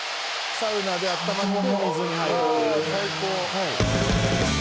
サウナであったまって水に入る。